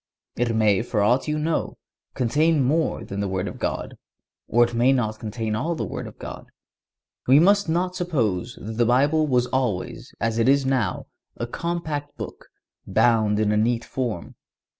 It may, for ought you know, contain more than the Word of God, or it may not contain all the Word of God. We must not suppose that the Bible was always, as it is now, a compact book, bound in a neat form.